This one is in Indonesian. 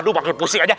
udah pusing aja